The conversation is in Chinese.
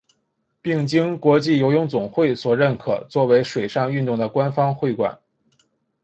并经国际游泳总会所认可作为水上运动的官方会馆。